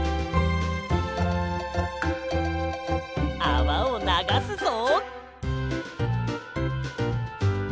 あわをながすぞ。